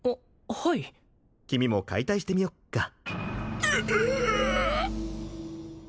はい君も解体してみよっかええ